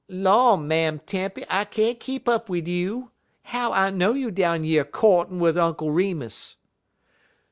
"Law, Mam' Tempy, I can't keep up wid you. How I know you down yer courtin' wid Unk Remus?"